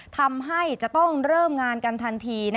ทำให้จะต้องเริ่มงานกันทันที